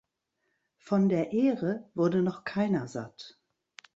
Von der Ehre wurde noch keiner satt.